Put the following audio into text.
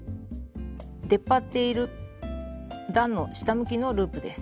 出っ張っている段の下向きのループです。